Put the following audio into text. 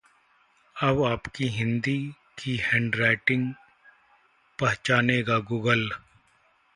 अब आपकी हिंदी की हैंडराइटिंग पहचानेगा गूगल